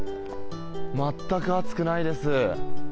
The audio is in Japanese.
全く暑くないです。